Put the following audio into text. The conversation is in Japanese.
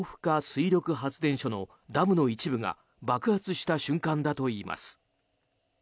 水力発電所のダムの一部が爆発した瞬間だといいます。